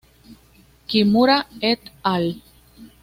Kimura et al.